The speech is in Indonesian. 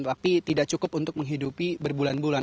tapi tidak cukup untuk menghidupi berbulan bulan